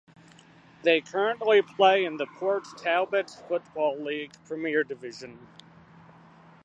They currently play in the Port Talbot Football League Premier Division.